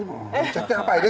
ini pencetnya apa aja